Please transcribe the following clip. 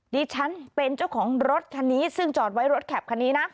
ดิฉันเป็นเจ้าของรถคันนี้ซึ่งจอดไว้รถแคปคันนี้นะ